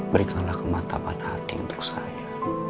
berikanlah kematapan hati untuk saya